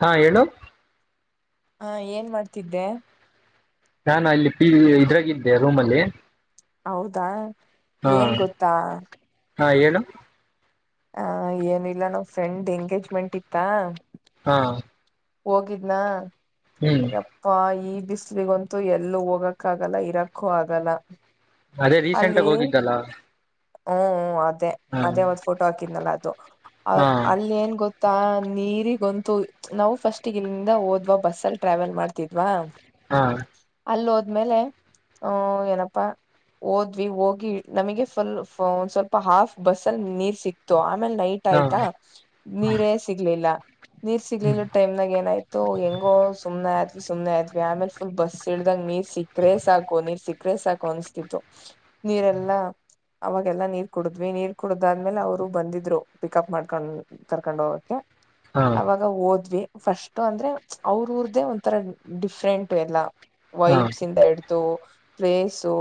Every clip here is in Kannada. ಹಾ ಹೇಳೋ ಹಾ ಏನ್ ಮಾಡ್ತಿದ್ದೆ ನಾನು ಅಲ್ಲಿ ಪಿ ಇದ್ರಾಗಿದ್ದೆ ರೂಮ್ ಅಲ್ಲಿ ಹೌದಾ ಏನ್ ಗೊತ್ತಾ ಹಾ ಏಳು ಹ ಏನಿಲ್ಲ ನಾವ್ ಫ್ರೆಂಡ್ ಎಂಗೇಜ್ಮೆಂಟ್ ಇತ್ತಾ ಹಾ ಹೋಗಿದ್ನಾ ಹ್ಮ್ ಯಪ್ಪಾ ಈ ಬಿಸ್ಲಿಗಂತೂ ಎಲ್ಲೂ ಹೋಗಕ್ಕ ಆಗಲ್ಲ ಇರಕ್ಕೂ ಆಗಲ್ಲ ಅದೇ ರೀಸೆಂಟ್ ಆಗ್ ಹೋಗಿದ್ದಲ್ಲ ಹ್ಮ್ಮ್ ಹ್ಮ್ಮ್ ಅದ್. ಹಾ ಅದೇ ಅವತ್ ಫೋಟೋ ಹಾಕಿದ್ನಲ್ಲ ಅದು ಹಾ ಅಲ್ಲಿ ಏನ್ ಗೊತ್ತ ತಾ ನೀರಿಗೊಂತು ನಾವು ಫಸ್ಟ್ ಇಲ್ಲಿಂದ ಹೋದ್ವಾ ಬಸ್ ಅಲ್ಲಿ ಟ್ರಾವೆಲ್ ಮಾಡ್ತಿದ್ವಾ ಹಾ ಆದ್ಮೇಲೆ ಹು ಏನಪ್ಪಾ ಓದ್ವಿ ಹೋಗಿ ನಮಗೆ ಫಿಲ್ ಹು ಒಂದ್ ಸ್ವಲ್ಪ ಹಾಫ್ ಬಸ್ಸಲ್ ನೀರ್ ಸಿಕ್ತು ಆಮೇಲೆ ನೈಟ್ ಹಾ ಆಯ್ತಾ ನೀರೇ ಸಿಗ್ಲಿಲ್ಲ ನೀರ್ ಹ್ಮ್ ಸಿಗ್ಲಿಲ್ಲ ಟೈಮ್ನಾಗ ಏನಾಯ್ತು ಹೆಂಗೋ ಸುಮ್ನೆ ಸುಮ್ನೆ ಆದ್ವಿ ಆಮೇಲೆ ಫುಲ್ ಬಸ್ ಇಳ್ದಾಗ ನೀರ್ ಸಿಕ್ಕ್ರೆ ಸಾಕು ನೀರ್ ಸಿಕ್ಕರೆೆ ಸಾಕು ಅನ್ಸ್ತಿತ್ತು ನೀರೆಲ್ಲಾ ಅವಾಗೆಲ್ಲಾ ನೀರ್ ಕುಡಿದ್ವಿ ನೀರ್ ಕುಡುದಾದ್ಮೇಲೆ ಅವರು ಬಂದಿದ್ರು ಪಿಕಪ್ ಮಾಡ್ಕೊಂಡ್ ಕರ್ಕೊಂಡ್ ಹೋಗಕ್ಕೆ ಹಾ ಅವಾಗ ಹೋದ್ವಿ ಫಸ್ಟ್ ಅಂದ್ರೆ ಅವ್ರ ಊರ್ದೇ ಒಂಥರ ಡಿಫ್ರೆಂಟ ಎಲ್ಲ ಹಾ ವೈಪ್ಸ್ ಎಡ್ತ ಫೇಸು.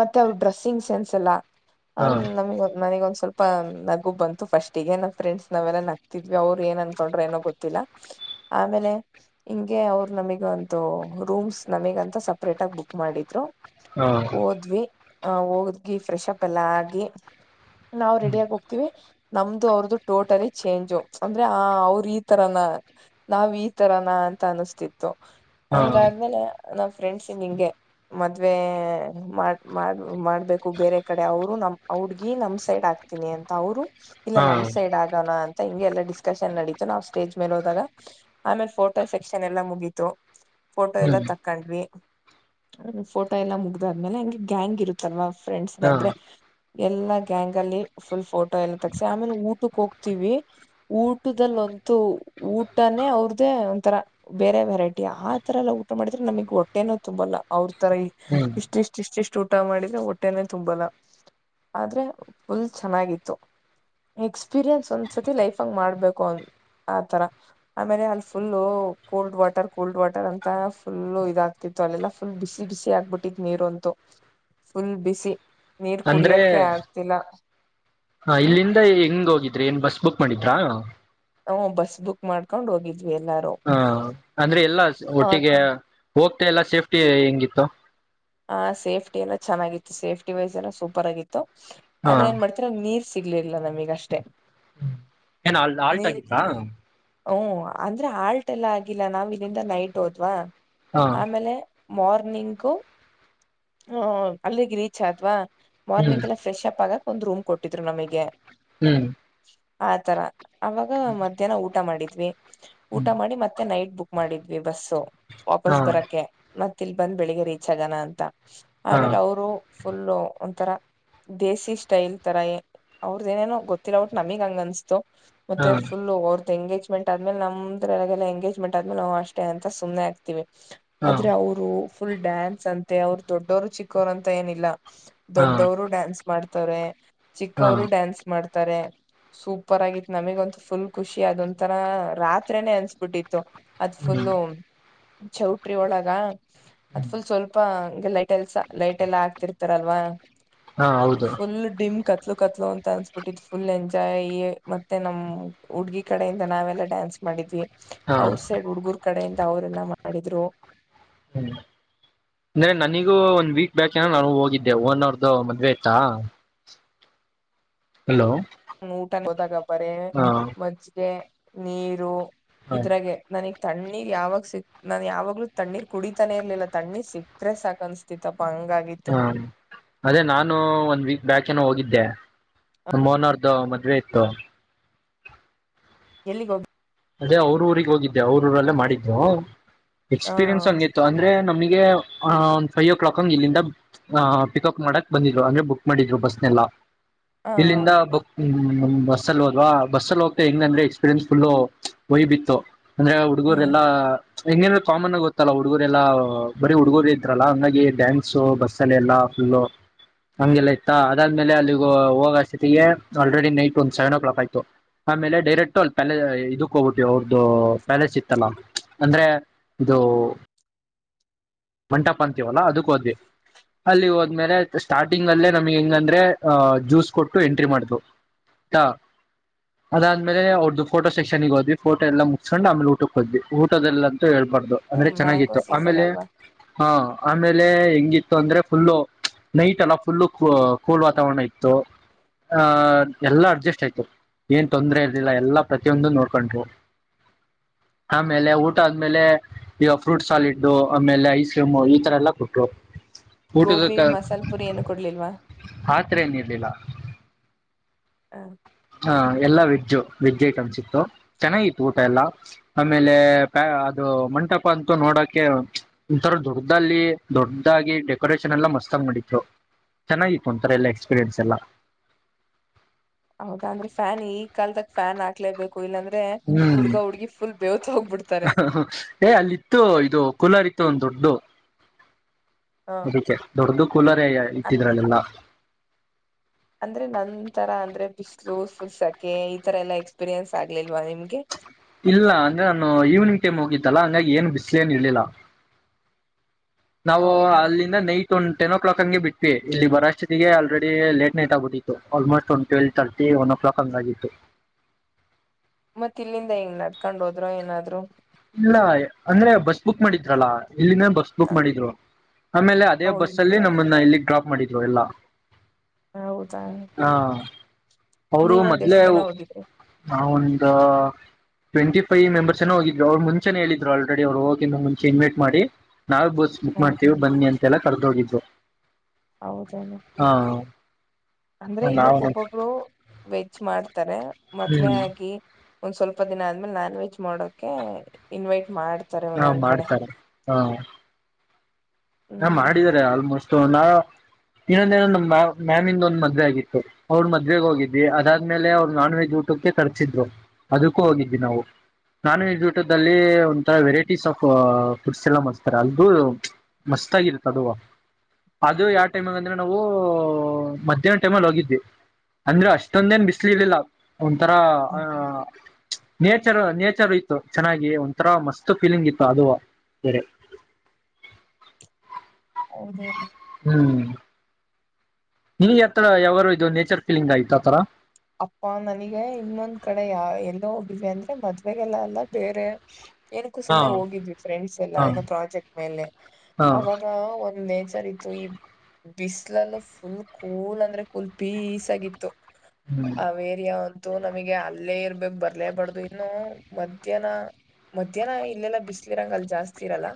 ಮತ್ತೆ ಅವ್ರರು ಡ್ರೆಸ್ಸಿಂಗ್ ಸೆನ್ಸ್ ಎಲ್ಲ ಹ ಹಾ ನಮಗ ನನಗೊ ಸ್ವಲ್ಪ ನಗು ಬಂತು ಫಸ್ಟ್ಿಗೆ ನಮ್ಮ್ ಫ್ರೆಂಡ್ಸ್ ನಾವೆಲ್ಲ ನಗ್ತಿದ್ವಿ ಅವ್ರು ಏನ್ ಅನ್ಕೊಂಡ್ರೆ ಏನೋ ಗೊತ್ತಿಲ್ಲ ಆಮೇಲೆ ಹಿಂಗೆ ಅವರು ನಮಗ ಒಂದು ರೂಮ್ಸ್ ನಮಗಂತ ಸಪ್ರೇಟ್ ಆಗ ಬುಕ್ ಮಾಡಿದ್ರು. ಹಾ ಓದ್ವಿ ಆ ಹದ್ಿ ಫ್ರೆಶ್ಪ್ ಎಲ್ಲಾ ಆಗಿ ನಾವು ಹ್ಮ್ ರೆಡಿಯಾಗಿ ಹೋಗ್ತೀವಿ ನಮ್ದು ಅವ್ರದುು ಟೋಟಲಿ ಚೇಂಜು ಅಂದ್ರೆ ಆ ಅವ್ರ ಈ ತರಾನ ನಾವ್ ಈ ತರಾನ ಅಂತ ಅನಸ್ತಿತ್ತು ಹಾ ಹಂಗಾದ್ಮೇಲೆ ನಾವ ಫ್ರೆಂಡ್ಸ ನಿಂಗೆ ಮದ್ವೆ ಮಾಡ್ ಮಾಡ್ ಮಾಡ್ಬೇಕು ಬೇರೆ ಕಡೆ ಅವರು ನಮ್ ಅವಡ್ಗಿ ನಮ್ ಸೈಡ್ ಆಕ್ತೀನಿ ಅಂತ ಅವರು ಇಲ್ಲ ಹಾ ನಮ್ ಸೈಡ್ ಆಗೋಣ ಅನ್. ೈಮ್ಗೆ ಎಲ್ಲಾ ಡಿಸ್ಕಶನ್ ನಡೀತು ನಾ್ ಸ್ಟೇಜ್ ಮೇಲೆ ಹೋದಾಗ ಆಮೇಲೆ ಫೋಟೋ ಸೆಕ್ಷನ್ ಎಲ್ಲ ಮುಗತು ಫೋಟೋ ಎಲ್ಲ ಹ್ಮ್ ತಕೊಂಡ್ವಿ ಫೋಟೋ ಎಲ್ಲ ಮುಗ ಆದ್ಮೇಲೆ ಹೆಂಗೆ ಗ್ಯಾಂಗ್ ಇರುತ್ತಲ್ವಾ ಫ್ರೆಂಡ್ಸ್ ಹಾ ಅಂದ್ರೆ ಎಲ್ಲಾ ಗ್ಯಾಂಗ್ ಅಲ್ಲಿ ಫುಲ್ ಫೋಟೋ ಟ ಎಲ್ಲ ತಸಿ ಆಮೇಲೆ ಊಟಕ್ಕೆೋಗ ವಿ ಊಟದಲ್ಲ ಒಂತು ಊಟನೇ ಅವ್ರ್ದೇ ಒಂಥರ ಬೇರೆ ವೆರೈಟಿ ಆ ತರ ಎಲ್ಲ ಊಟ ಮಾಡಿದ್ರೆ ನಮಗ್ ಹೊಟ್ಟೆನೋ ತುಂಬಲ್ಲ ಅವ್ರ ಇತರ. ಹ್ಮ್ ಇ ಇಷ್ಟ ಇಷ್ಟು ಊಟ ಮಾಡಿದ್ರೆ ಹೊಟ್ಟೆನೆ ತುಂಬಲ್ಲ ಆದ್ರೆ ಫುಲ್ ಚೆನ್ನಾಗಿತ್ತು ಎಕ್ಸ್ಪೀರಿಯನ್ಸ್ ಒಂದ್ಸತಿ ಲೈಫ್ಂಗ ಮಾಡ್ಬೇಕು ಆತರ ಆಮೇಲೆ ಅಲ್ಲಿ full cold water cold water ಅಂತ ಫುಲ್ಲ ಇದಾಗ್ತಿತ್ತು ಅಲ್ಲೆಲ್ಲ ಫುಲ್ ಬಿಸಿ ಬಿಸಿ ಆಗ್ಬಿಟ್ಟ ಟ್ಟ ನೀರು ಅಂತು ಫುಲ್ ಬಿಸಿ ನೀರ್ ಅಂದ್ರೆ ಕುಡಿಯಕೆ ಆಗ್ತಿಲ್ಲ ಹ ಹ್ಮ ಇಲ್ಲಿಂದ ಹೆಂಗ ಹೋಗಿದ್ ್ರ ಏನ್ ಬಸ್ ಬುಕ್ ಮಾಡಿದ್ರಾ ಹ್ ಬಸ್ ಬುಕ್ ಮಾಡ್ಕೊಂಡ್ ಹೋಗಿದ್ವಿ ಎಲ್ಲಾರು ಹಾ ಅಂದ್ರೆ ಎಲ್ಲ ಒಟ್ಟಿಗೆ ಹೋಗ್ತಾ ಎಲ್ಲ ಸೇಫ್ಟಿ ಹೆಂಗಿತ್ತು ಹ ಸೇಫ್ಟಿ ಏನೋ ಚೆನ್ನಾಗಿತ್ತು ಸೇಫ್ಟಿ ವೈಸ್ ಏನೋ ಸೂಪರ್ ಆಗಿತ್ತು ಹಾ ಆದ್ರೆ ಏನ್ ಮಾಡ್ತೀರ ನೀರ್ ಸಿಗ್ಲಿಲ್ಲ ನಮಗಷ್ಟೇ ಏನ್ ಆಲ್ಟ ಆಗಿದ್ದಾ. ಹು ಅಂದ್ರೆ ಆಲ್ಟ್ ಎಲ್ಲ ಆಗಿಲ್ಲ ನಾವ್ ಇಲ್ಲಿಂದ ನೈಟ್ ಹೋದ್ವಾ ಹಾ ಆಮೇಲೆ ಮಾರ್ನಿಂಗು ಹ್ಮ ಅಲ್ಲಿಗೆ ರೀಚ್ ಆದ್ವಾ ಹ್ಮ್ ಮಾರ್ನಿಂಗ್ ಎಲ್ಲ ಫ್ರೆಶ್ಅಪ್ ಆಗಕ್ ಒಂದ್ ರೂಮ್ ಕೊಟ್ಟಿದ್ರು ನಮಗೆ ಹ್ಮ್ ಆ ತರ ಅವಾಗ ಮಧ್ಯಾಹ್ನ ಊಟ ಮಾಡಿದ್ [inaudible] ಊಟ ಹ್ಮ್ ಮಾಡಿ ಮತ್ತೆ ನೈಟ್ ಬುಕ್ ಮಾಡಿದ್ವಿ ಬಸ್ಸು ವಾಪಸ್ ಹಾ ಬರಕ್ಕೆ ಮತ್ ಇಲ್ ಬಂದ್ ಬೆಳಿಗ್ಗೆ ರೀ [unintelligible] ಅಂತ ಹಾ ಆಮೇಲೆ ಅವರು ಫುಲ್ಲು ಒಂಥರ ದೇಸಿ ಸ್ಟೈಲ್ ತರ ಅವ್ರುದ್ ಏನೇನೋ ಗೊತ್ತಿಲ್ಲ ಬಟ್ ನಮಗ್ ಹಂಗ ಅನ್ಸುತು ಹಾ ಮತ್ತೆ ಫುಲ್ [unintelligible] ಎಂಗೇಜ್ಮೆಟ್ ಆದ್ಮೇಲೆ ನಮ್ರೊಳಗಲ್ಲ ಎಂಗೇಜ್ಮೆಟ್ ಆದ್ಮೇಲೆ ನಾವು ಅಷ್ಟೇ ಅಂತ ಸುಮ್ಮನೆ ಆಗ್ತಿವಿ. ಹಾ ಆದ್ರೆ ಅವರು ಫುಲ್ ಡ್ಯಾನ್ ಸಂತೆ ಅವ್ರು ದೊಡ್ಡೋರು ಚಿಕ್ಕೋರು ಅಂತ ಏನಿಲ್ಲ ಹಾ ದೊಡ್ಡವ್ರು ಡ್ಯಾನ್ಸ್ ಮಾಡ್ ತರೆ ಹಾ ಚಿಕ್ಕವರು ಡ್ಯಾನ್ಸ್ ಮಾಡ್ ತರೆ ಸೂಪರ್ ಆಗಿತ್ತು ನಮಗೆ ಅಂತು ಫುಲ್ ಖುಷಿ ಅದೊಂತರ ರಾತ್ರಿನೇ ಅನ್ಸಬಿಟ್ಟಿತ್ತು ಅದ್ ಹ್ಮ್ ಫುಲ್ಲು ಚೌಟ್ರಿ ಒಳಗ ಅದ್ ಫುಲ್ ಸ್ವಲ್ ಹಂಗೆ ಲೈಟ್ ಎಲ್ಸ ಲೈಟ್ ಎಲ್ಲಾ ಆಗ್ತಿರ್ತಾರಲ್ವಾ ಹಾ ಹೌದು ಫುಲ್ ಡಿಮ್ ಕ ಕತ್ಲು ಕತ್ಲು ಅಂತ ಅನ್ಸ್ಬಿಟ್ಟಿದ್ ಫುಲ್ ಎಂಜಾಯ್ ಮತ್ತೆ ನಮ್ಮ್ ಹುಡ್ಗಿ ಕಡೆಯಿಂದ ನಾವೆಲ್ಲ ಡ್ಯಾನ್ಸ್ ಮಾಡಿದ್ವಿ. ಹಾ ಅವ್ರ ಸೈಡ್ ಹುಡ್ಗರು ಆ ಕಡೆಯಿಂದ ಅವರೆಲ್ಲ ಮಾಡಿದ್ರು ಹ್ಮ್ ಅಂದ್ರೆ ನನಿಗೂ ಒಂದ್ ವೀಕ್ ಬ್ಯಾಕ್ ಏನ ನಾನು ಹೋಗಿದ್ದೆ ಒನರ್ದು ಮದ್ವೆ ಇತ್ತಾ ಹಲೋ ಹ್ಮ ಊಟ ಗೊದಾಗ ಬರೆ ಹಾ ಮಜ್ಗೆ ನೀರು ಹ ಇದ್ರಾಗೆ ನನಗ್ ತಣ್ಣೀರ್ ಯಾವಾಗ ಸಿಕ್ ನಾನ್ ಯಾವಾಗ್ಲೂ ತಣ್ಣೀರ್ ಕುಡಿತಾನೆ ಇರ್ಲಿಲ್ಲ ತಣ್ಣೀರ್ ಸಿಕ್ಕ್ರರೆ ಸಾಕ ಅನ್ಸ್ತಿತ್ತಪ್ಪ ನಾನು ಅದೇ ನಾನು ಒಂದ್ ವೀಕ್ ಬ್ಯಾಕೇನ ಹೋಗಿದ್ದೆ ನಮ್ಮೋನಾರ್ದು ಮದ್ವೆ ಇತ್ತು ಎಲ್ಲಿ ಗೋಬಿ ಅದೇ ಅವ್ರ ಊರಿಗೆ ಹೋಗಿದ್ದೆ ಅವ್ರ ಊರಲ್ಲೇ ಮಾಡಿದ್ದು ಹ ಎಕ್ಸ್ಪೀರಿಯನ್ಸ್ ಹಂಗಿತ್ತು ಅಂದ್ರೆ ನಮ್ಗೆ ಒ್ ಫೈವ್ ಓ ಕ್ಲಾಕ್ಂಗ ಇಲ್ಲಿಂದ ಪಿಕಪ್ ಮಾಡಕ್ ಬಂದಿದ್ರು ಅಂದ್ರೆ ಬುಕ್ ಮಾಡಿದ್ರು ಬಸ್ನೆಲ್ಲ ಹ ಇಲ್ಲಿಂದ ಬುಕ್ ಹ್ಮ್್ ಬಸ್ಸಲ್ಲಿ ಹೋದ್ ಬಸ್ಲ್ಲಿ ಹೋಗ್ತಾ ಹೆಂಗ್ ಅಂದ್ರೆ ಎಸ್ಪೀರಿಯನ್ಸ್ ಫುಲ್ ಹೂಯ್ ಬಿತ್ತು ಅಂದ್ರೆ ಹ್ಮ್ ಹುಡುಗರೆನೆಲ್ಲಾ ಹಂಗೇಂದ್ರ ಕಾಮನ್ ಆಗ ಗೊತ್ತಲ್ಲ ಹುಡುಗುರೆಲ್ಲಾ ಬರೀ ಹುಡುಗೂರು ಇದ್ರಲ್ಲಾ ಹಂಗಾಗಿ ್ಯಾನ್ಸ್ ಬಸ್ಸಲ್ಲಿ ಎಲ್ಲ ಫುಲ್ ಹಂಗೆಲ್ಲಾ ಇತ್ತ ಅದಾದ್ಮೇಲೆ ಅಲ್ಲಿ ಹೋಗಸತಿಗೆ ಆಲ್ರೆಡಿ ನೈಟ್ ಒಂದ ಸೆವೆನ್ ಓ ಕ್ಲಾಕ್ ಆಯ್ತು ಆಮೇಲೆ ಡೈರೆಕ್ಟ್ ಅಲ್ಲಿ ಕಬಟ್ಟವಿ ಅವ್ರದ್ದು ಪ್ಯಾಲೇಸ್ ಇತ್ತಲ್ಲ ಅಂದ್ರೆ ಇದು ಮಂಟಪ್ ಅಂತೀವಲ್ಲ ಅದಕ್ ಹೋದ್ವಿ ಅಲ್ಲಿ ಹೋದ್ಮೇಲೆ ಸ್ಟಾರ್ಟಿಂಗ್ ಅಲ್ಲೇ ನಮ್ಗೆ ಹೆಂಗಂದ್ರೆ ಅಹ್ ಜ್ಯೂಸ್ ಕೊಟ್ಟು ಎಂಟ್ರಿ ಮಾಡ್ವು ಅದಾದ್ಮೇಲೆ ಅವ್ರ್ದು ಫೋಟೋ ಸೆಕ್ಷನ್ಿಗೆ ಹೋದ್ವಿ ಫೋಟೋ ಎಲ್ಲ ಮುಚ್ಸ್ಕೊಂಡು ಆಮೇಲೆ ಊಟಕ್ಕೆ ಹದ್ವಿ ಊಟದಲ್ಲ ಅಂತೂ ಹೇಳದ್ ಬೇಡ ಬಾರದು ಅಂದ್ರೆ ಮ್ಯಾಂಗೋ ಚೆನ್ನಾಗಿತ್ತು ಸೀಸನ್ ಆಮೇಲೆ ಅಲ್ವಾ ಹಾ ಆಮೇಲೆ ಹೆಂಗಿತ್ತು ಅಂದ್ರೆ ಫುಲ್ಲು ನೈಟ್ ಎಲ್ಲ ಫುಲ್ಲು ಕೂಲ್ ವಾತಾವರಣ ಇತ್ತು ಆಹ ಎಲ್ಲಾ ಅಡ್ಜಸ್ಟ್ ಆಯಿತು ಏನ್ ತೊಂದ್ರ ಇರ್ಲಿಲ್ಲ ಎಲ್ಲಾ ಪ್ರತಿಯೊಂದು ನೋಡ್ಕೊಂಡ್ರು ಆಮೇಲೆ ಊಟ ಆದ್ಮೇಲೆ ಫ್ರೂಟ್ ಸಾಲಿಡ್ು ಆಮೇಲೆ ಐಸಿಕಿಂ ಈ ತರ ಎಲ್ಲ ಕೊಟ್ಟರು ಊಟದ ಗೋಬಿ ಮಸಾಲ ಪುರಿ ಏನು ಕೊಡ್ಲಿಲ್ವಾ ಪಾತ್ರ ಏನಿರ್ಲಿಲ್ಲ ಹ ಹಹ ಎಲ್ಲಾ ವೆಜ್ ವೆಜ್ ಐಟಮ್ಸ್ ಇತ್ತು ಚೆನ್ನಾಗಿತ್ತು ಊಟ ಎಲ್ಲಾ ಆಮೇಲೆ ಪ್ಯಾ ಅದು ಮಂಟಪ ಅಂತೂ ನೋಡಕ್ಕೆೆ ಒತಂರ ದೊಡ್ಡ್ದಲ್ಲಿ ದೊಡ್ಡದಾಗಿ ಡೆಕೋರೇೇಶನ್ ಎಲ್ಲ ಮಸ್ತಾಗಿ ಮಾಡಿತ್ತು ಚೆನ್ನಾಗಿತ್ತು ಒಥರ ಎಲ್ಲಾ ಎಕ್ಸ್ಪೀರಿಯನ್ಸ್ ಎಲ್ಲ ಹೌದಾ ಫ್ಯಾನ್ ಈ ಕಾಲದಕ್ ಫ್ಯಾನ್ ಹಾಕ್ಲೇಬೇಕು ಇಲ್ಲಾಂದ್ರೆ ಹ್ಮ್ ಹುಡ್ಗ ಹುಡ್ಗಿ ಫುಲ್ ಬೇವತ್ ಹೋಗ್ಬಿಡ್ತಾರೆ ಏ ಅಲ್ಲಿತ್ತು ಇದು ಕುಲಾರಿ ಇತ್ತು ಒಂದು ದೊಡ್ಡು ಹ ದೊಡ್ಡದು ಕುಲರೆ ಅ ಇಟ್ಟಿದ್ರಲ್ಲೆಲ್ಲ ಅಂದ್ರೆ ನನ್ಂತರ ಅಂದ್ರೆ ಬಿಸಿ್ಲು ಫುಲ್ ಸೆಕೆ ಈ ತರ ಎಲ್ಲಾ ಎಕ್ಸ್ಪೀರಿಯನ್ಸ್ ಆಗ್ಲಿಲ್ವಾ ನಿಮ್ಗೆ ಇಲ್ಲ ಅಂದ್ರೆ ನಾನು ಈವ್ನಿಂಗ್ ಟೈಮ್ ಹೋಗಿತ್ತಲ್ಲಾ ಹಂಗಾಗಿ ಏನು ಬಿಸಿಲು ಏನ್ ಇರ್ಲಿಲ್ಲ ನಾವು ಹೌದಾ ಅಲ್ಲಿಂದ ನೈಟ್ ಒಂದು್ ಟೆನ್ ಓ ಕ್ಲಾಕ್ ಅಂಗೆ ಬಿಟ್ವಿ ಇಲ್ಲಿ ಬರಷ್ಟತಿಗೆ ಆಲ್ರೆಡಿ ಲೇಟ್ ನೈಟ್ ಆಗಿಹೋಗಿತತ್ತು ಆಲ್ಮೋಸ್ಟ್ ಒಂದ್ twelve thirty one o'clock ಹಂಗ ಆಗತ್ತು ಮತ್ತ ಇಲ್ಲಿಂದ ಹೆಂಗ್ ನಡ್ಕೊಂಡ್ ಹೋದ್ರ ಏನಾದ್ರು ಇಲ್ಲ ಅಂದ್ರೆ ಬಸ್ ಬುಕ್ ಮಾಡಿದ್ರಲ್ಲ ಇಲ್ಲಿಂದ ಬಸ್ ಬುಕ್ ಮಾಡಿದ್ರು ಆಮೇಲೆ ಅದೇ ಓ ಬಸ್ ಅಲ್ಲಿ ಇಲ್ಲಿಂದ ನಮ್ಮನ್ನ ಇಲ್ಲಿ ಡ್ರಾಪ್ ಮಾಡಿದ್ರು ಜೋಇಲ್ಲ ಹೌದಾ ಹಾ ಅವರು ನೀವ ಒಂದ್ ಮೊದ್ಲೇ ಎಷ್ಟ್ ಜನ [unintelligible] ಹೋಗಿದ್ರಿ ನಾ ಹ ಟ್ವೆಂಟಿ ಫೈವ್ ಮೆಂಬರ್ಸ್ ಏನೋ ಹೋಗಿದ. ಈಗ ಅವ್ರು ಮುಂಚೆನೆ ಹೇಳಿದ್ರು ಆಲ್ರೆಡಿ ಅವ್ರು ಹೋಗಿಂದು ಮುಂಚೆ ಇನ್ವೈಟ್ ಮಾಡಿ ನಾವೇ ಬಸ್ ಹ ಬುಕ್ ಮಾಡ್ತೀವಿ ಬನ್ನಿ ಅಂತ. [unintelligible] ಹೌದಲ್ಲ ಅಂದ್ರೆ ನಾವ ಇವಬ್ ಒಬ್ಬೊಬ್ಳ ವೆಜ್ ಮಾಡ್ತ. ಮಾಡ್ತಾರೆ ಮದುವೆ ಹ್ಮ್ ಆಗ. ಒಂದ್ ಸ್ವಲ್ಪ ದಿನ ಆದ್ಮೇಲೆ ನಾನ್ ವೆಜ್ ಮಾಡಕೆ ಇನ್ವೈಟ್. ಮಾಡ್ತಾರೆ ಹಾ ಒಂದೊಂದ್ ಕಡೆ ಮಾಡ್ತಾರೆ ಹಾ ಹಾ ಹ್ಮ್ ಮಾಡಿದಿದ್ದಾರೆ ಆಲ್ಮೋಸ್ಟ್. ನಾ ಇನ್ನೊಂದ ಏನ್ ನಮ್ಮ್ ಮ ಮ್ಯಾಮಿಂದ ಒಂದ್ ಮದ್ವೆ ಆಗಿತ್ತು ಅವ್ರ ಮದ್ವೆಗ ಹೋಗಿದ್ವಿ ಅದಾದ್ಮೇಲೆ ಅವ್ರು ನಾನ್ ವೆಜ್ ಊಟಕ್ಕೆ ತರ್ಸಿದ್ರು ಅದಕ್ಕೂ ಹೋಗಿದ್ವಿ ನಾವು ನಾನ್ ವೆಜ್ ಊಟದಲ್ಲಿ ಒಂಥರ ವೆರೈಟೀಸ್ ಆಫ್ ಫುಡ್ಸ್ ಎಲ್ಲ ಮಾಡ್ತಾರೆ ಅಲ್ಗೂ. ಮಸ್ತ್ ಆಗಿರುತ್ತ ಅದು ಅದು ಯಾವ ಟೈಮಗ ಅಂದ್ರೆ ನಾವು ಮಧ್ಯ್ಯಾಹ್ ಟೈಮಲ್ಲಿ ಹೋಗಿದ್ವಿ ಅಂದ್ರೆ ಅಷ್ಟೊಂದ ಏನ್ ಬಿಸ್ಲಿ ಇರ್ಲಿಲ್ಲ. ಒಂಥರ ಆ ನೇಚರ್ ನೇಚರ್ ಇತ್ತು ಚೆನ್ನಾಗಿ ಒಂಥರಾ ಮಸ್ತ್ ಫೀಲಿಂಗ್ ಇತ್ತು ಅದು ಬೇರೆ. ಹೌದೇನು ಹ್ಮ್ ನಿಗೆ ಆತ್ತರ ಯಾವಾರು ಇದು ನೇಚರ್ ಫೀಲಿಂಗ್ ಆಯತ [unintelligible] ಅಪ್ಪಾ ನನಗೆ ಇನ್ನೊಂದ್ ಕಡೆ ಯಾ ಎಲ್ಲೋೋಗಿವವಿ ಅಂದ್ರೆ ಮದ್ವೆೆಗೆಲ್ಲ ಎಲ್ಲ ಬೇರೆ. ಏನಕ್ಕೂ ಹಾ ಸುಮ್ಮನೆ ಹೋಗಿದ್ವಿ ಫ್ರೆಂಡ್ಸ್ ಎಲ್ಲ ಹಾ ಏನೋ ಪ್ರಾಜೆಕ್ಟ್ ಮೇಲೆ ಹಾ ಅವಾಗ ಒಂದ ರಿ ಇತ್ತು ಈ ಬಿಸಿ್ಲಲ್ಲ ಫುಲ್ ಕೂಲ್ ಅಂದ್ರೆ ಕೂಲ್ ಪೀಸ್ ಆಗಿತ್ತು. ಹ್ಮ್ ಅವ ಏರಿಯ ಯಾವ ಇತ್ತು ನಮಗೆ ಅಲ್ಲೇ ಇರ್ಬೇಕಕ್ ಬರ್ಲೇಬಾರ್ದು ಇನ್ನು ಮಧ್ಯಾಹ್ನ ಮಧ್ಯಾಹ್ನ ಇಲ್ಲೆಲ್ಲ ಬಿಸ್ಲಿರಂಗ ಅಲ್ಲಿ ಜಾಸ್ತಿ ಇರಲ್ಲ.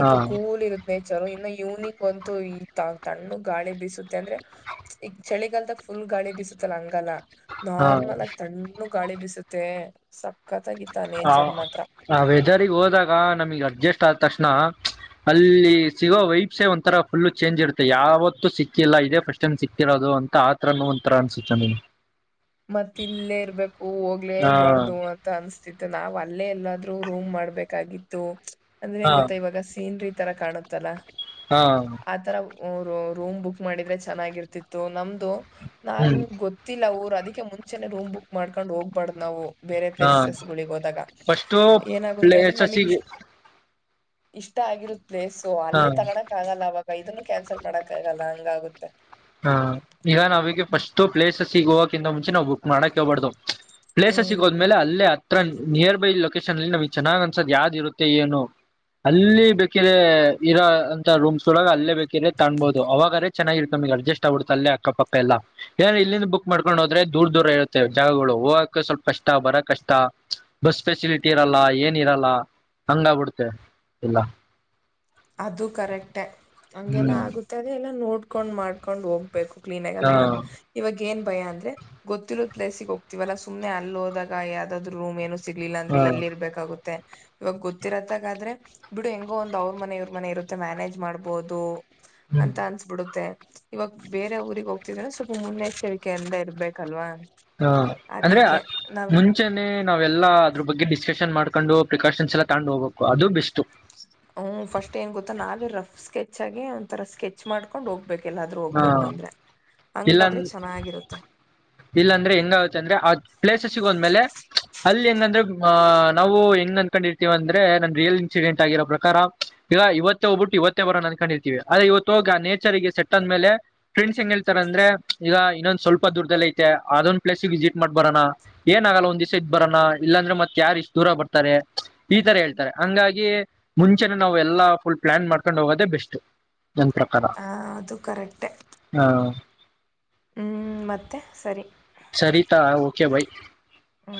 ಹಾ ಕೂಲ ಇರುತ್ತ. ನೇಚರ್ ಇನ್ನು ಯುನಿಕ್ ಅಂತೂ ಇ ತಣ್ಣ ಗಾಳಿ ಬೀಸುತ್ತೆ ಅಂದ್ರೆ ಈಗ ಚಳಿಗಾಲದ ಫುಲ್ ಗಾಳಿ ಬೀಸುತ್ತಲ್ಲ ಹಾಂಗ್ಗೆ. ಗಲ. ನಾರ್ಮಲ್ ಆಗಿ ತಣ್ಣು. ಗಾಳಿ ಬಿಸುತ್ತೆ ಸಕ್- ಹ ಅ ವೆದರಿಗ್ ಹೋದಾಗ ನಮಗ್ ಅಡ್ಜಸ್ಟ್ [unintelligible] ಅಲ್ಲಿ ಸಿಗೋ ವೈಪ್ಸೆ ಒಂಥರ ಫುಲ್ ಚೇಂಜ್ ಇರುತ್ತೆ ಯಾವತ್ತು ಸಿಕ್ಕಿಲ್ಲ ಇದೇ ಫಸ್ಟ್ ಟೈಮ್ ಸಿಕ್ತಿರೋದು ಅಂತ ಆತರನು ಒಂರ ಅನ್ಸುತ್ತೆ ನಮಗೇ. ಮತ್ತ ಇಲ್ಲೇ ಇರ್ಬೇಕು ಹೋಗ್ಲೇ ಹಾ ಬಾರ್ದು ಅಂತ ಅನ್ಸ್ತ. ನಾವ್ ಅಲ್ಲೇ ಎಲ್ಲಾದ್ೂ ರೂಮ್ ಮಾಡ್ಬೇಕಾಗಿತ್ತು. ಅಂದ್ರೆ ಹಾ ಹೆಂಗ ಗೊಾ ಇವಾಗ ಸೀನ್ರಿ ತರ. ಕಾಣುತ್ತಲ್ಲಾ. ಹಾ. ರು ರೂಮ್ ಬುಕ್ ಮಾಡಿದ್ರೆ ಚೆನ್ನಾಗಿರ್ತಿತ್ತು ನಮ್ದು. ನಾವ ಹ್ಮ್ ಗೊತ್ತಿಲ್ಲ ಊರು. ಮುಂಚೆ ರೂ್ ಬುಕ್ ಮಾಡ್ಕೊಂಡ್ ಹ್ಬ್ದ ನಾವು. ಬೇರೆ ಹಾ ಪ್ಲೇಸಸ್ ಗಳಿಿಗೆ ಹೋದಾಗ ಫಸ್ಟು ಏನಾಗುತ್ತೆ ಅಂದ್ರೆ ನಮಗೆ ಪ್ಲೇಸಸಿಗೆ ಇಷ್ಟ. ಇಷ್ಟ ಆಗಿರುತ್ತೆ. ಪ್ಲೇಸು ಹಾ ಅಲ್ಲೇ ತಗೋಕ್ ಆಗಲ್ಲ ಅವವಾಗ. ಇದನ್ನು ಕ್ಯಾನ್ಸಲ್ ಮಾಡಕ್ಕಾಗಲ್ಲ ಹಂಗಗುತ್ತೆ. ಹ ಈಗ ನಾವಿಗೆ ಫಸ್ಟ್ ಪ್ಲೇಸ್. ಸಿಗ [inaudible] ನಾವು ಬುಕ್ ಮಾಡಕ್ ಹೇಳ್ಬಾರ್ದ್ ಪ್ಲೇಸಸ್ ಹ್ಮ್ ಸಿಗೋದ ಮೇಲೆ ಅಲ್ಲೇ. ನಿಯರ್ ಬೈ ಲೊಕೇಶನ್ ಅಲ್ಲಿ ನಮಗ್ ಚೆನ್ನಾಗ್ ಅನ್ಸದ್ ಯಾವ್ದ್ ಇರುತ್ತೆ ಏನು ಅಲ್ಲಿ ಬೇಕಿದರೆ ಇರೋ ಅಂತ ರೂಮ್ಸ್ ಒಳಗ ಅಲ್ಲೇ ಬೇಕಿದರೆ ತಾಣ್ಬಹುದು ಅವಾಗೇ ಚೆನ್ನಾಗಿ. ನಮಗ್ ಅಡ್ಜಸ್ಟ್ ಆಗ್ಬಿಡುತ್ತೆ ಅಲ್ಲೇ ಅಕ್ಕಪಕ್ಕ ಎಲ್ಲಾ ಏ ಇಲ್ಲಿಂದ ಬುಕ್ ಮಾಡ್ಕೊಂಡು ಹೋದ್ರೆ ದೂರ್ ದೂರ ಇರುತ್ತೇವೆ ಜಾಗಗಳು ಹೋಗಕ ಸ್ವಲ್ಪ ಕಷ್ಟ ಬರ ಕಷ್ಟ ಬಸ್ ಫೆಸಿಲಿಟಿ ಇರಲ್ಲ ಏನ್ ಇರಲ್ಲ ಹಂಗ ಆಬಿಡ್ತೇ ಇಲ್ಲ. ಅದು ಕರೆಕ್ಟೆ ಹಂಗಗೆನ ಹ್ಮ್ ಆಗುತ್ತೆ ಅದ ಎಲ್ಲ ನೋಡ್. ಕುಕೊಂಡ್ ಮಾಡ್ೊಂಡ ಹೋಗಿ. ೇಕು ಕ್ಲೀನ್ ಆಗ ಹ ಅಂದ್ರೆ ಇವಾಗ. ಏನ್ ಭಯ ಅಂದ್ರ ಗೊಿರೋದ ಪ್ಲೇಸ್ಿಗೆ ಹೋಗ್ತತಿವಲ್ಲಾ ಸುಮ್ಮನೆ ಅಲ್ಲಿೋದಾಗ ಯಾವ್ದಾದ್ೂ ರೂಮ್ ಏನು. ಸಿಗ್ಲಿಲ್ಲ ಹ ಅಂದ್ರೆ ಎಲ್ಲಿ ಇರ್ಬೇಕಾಗುತ್ತೆ. ಇವಾಗ ಗೊತ್ತಿರತ್ತಾಗ ಆದ್ರೆ ಬಿಡು ಹೆಂಗೋ ಒಂದ್ ಅವ್ರ ಮನೆ ಇರುತ್ತೆ. ಮನೆ ಇರುತ್ತೆ ಮ್ಯಾನೇಜ್ ಮಾಡ್ಬೋದು. ಹ್ಮ್ ಅಂತ ಅನ್ಸ್ಬಿಡುತ್ತೆ. ಇವಾಗ ಬೇರೆ ಊರಿಗೆಗ್ ಹೋಗ್ತಿದ್ರೆ ಸ್ವಲ್ಪ ಮುನ್ನೆಚ್ಚರಿಕೆೆಯಿಂದ ಇರ್ಬೇಕಲ್ವಾ. ಹಾ ಅಂದ್ರೆ ಅದಿಕ್ಕೆ ನಾವ್ ಮುಂಚೆಾನನೆ. ನಾವೆಲ್ಲ ಅದ್ರ ಬಗ್ಗೆ ಡಿಸ್ಕಶನ್ ಮಾಡ್ಕೊಂಡು ಪ್ರಿಕಾಷನ್ಸ್ ಎಲ್ಲ ತಂಡು ಹೋಗ್ಬೇಕು ಅದು ಬೆಸ್ಟ್. ಹ್ಮ ಫಸ್ಟ್ ಏನ್ ಗೊತ್ತಾ ನಾವೇ ರಫ್ ಸ್ಕೆಚ್ ಆಗಿ ಒಂಥರ ಸ್ಕೆಚ್ ಮಾಡ್ಕೊಂಡ್ ಹೋಗ್ ಹೋಗಬೇಕ ಎಲ್ಲಾದ್ರೂ ಹ ಹೋಗ್ಬೇಕು ಅಂದ್ರೆ ಹಂಗಾದ್ರೆ ಚೆನ್ನಾಗಿರುತ್ತೆ. ಇಲ್ಲಾ ಅಂದ್ರೆ ಹೆಂಗಾಗುತ್ತೆ ಅಂದ್ರೆ ಆ ಪ್ಲೇಸಸ್ ಸಿಗೋಂದ್ಮೇಲೆ. ಅಲ್ಲಿ ಹೆಂಗಂದ್ರಹ ನಾವು ಹೆಂಗ್ ಅನ್ಕೊಂಡಿರ್ತೀವಿ ಅಂದ್ರೆ ನನ್ ರಿಯಲ್ ಇನ್ಸಿಡೆಂಟ್ ಆಗಿರೋ ಪ್ರಕಾರ, ಈಗ ಇವತ್ತ ಹೋಗ್ಬಿಟ್ಟು ಇವತ್ತೇ ಬರೋ ಅನ್ಕೊಂಡಿರ್ತೀವಿ ಆದ್ರೆ ಇವತ್ತು ಹೋಗ ಆ ನೇಚರ್ಗೆ ಸೆಟ್ ಅಂದ ಮೇಲೆ ಫ್ರೆಂಡ್ಸ್ ಹೆಂಗ ಹೇಳ್ತಾರೆ ಅಂದ್ರೆ ಈಗ ಇನ್ನೊಂದು ಸ್ವಲ್ಪ ದೂರದಲ್ಲಿ. ಮತ್ತೆ ಅದೊಂದ್ ಪ್ಲೇಸಿಗೆ ವಿಸಿಟ್ ಮಾಡ್ ಬರೋಣ ಏನಾಗಗಲ್ಲ ಒಂದ್ಿವ್ಸ ಇದ್ ಬರಾನ ಇಲ್ಲಾಂದ್ರೆ ಮತ್ತ ಯಾರ ಇಷ್ಟು ದೂರ ಬರ್ತಾರೆ ಈ ತರ ಹೇಳ್ತಾರೆ ಹಂಗಾಗಿ ಮುಂಚೆನೆ ನಾವ್ ಎಲ್ಲಾ ಫುಲ್ ಪ್ಲಾನ್ ಮಾಡ್ಕೊಂಡ್ ಹೋಗೋದೇ ಬೆಸ್ಟ್. ನನ್ ಪ್ರಕಾರ ಆ ಅದು ಕರೆಕ್ಟೆ ಹಾ. ಹ್ಮ್ ಮತ್ತೆ ಸರಿ. Sarita okay bye. ಹಾ.